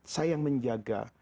saya yang menjaga